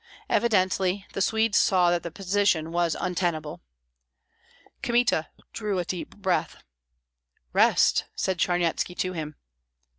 Evidently the Swedes saw that the position was untenable. Kmita drew a deep breath. "Rest!" said Charnyetski to him.